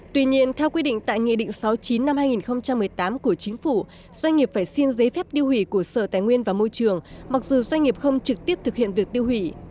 tuy nhiên theo quy định tại nghị định sáu mươi chín năm hai nghìn một mươi tám của chính phủ doanh nghiệp phải xin giấy phép tiêu hủy của sở tài nguyên và môi trường mặc dù doanh nghiệp không trực tiếp thực hiện việc tiêu hủy